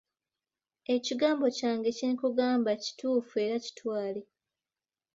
Ekigambo kyange kye nkugamba kituufu era kitwale.